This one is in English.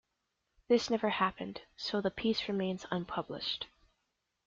This never happened, so the piece remains unpublished.